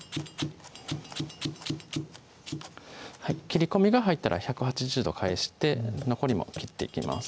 切り込みが入ったら１８０度返して残りも切っていきます